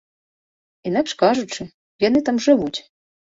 Інакш кажучы, яны там жывуць.